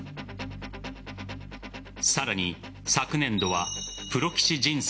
さらに昨年度はプロ棋士人生